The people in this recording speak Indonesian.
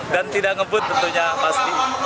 dan tidak ngebut tentunya pasti